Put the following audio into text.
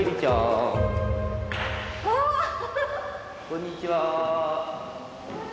こんにちは！